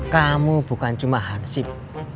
kamu bukan cuma hansip